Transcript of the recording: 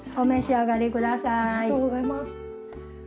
ありがとうございます。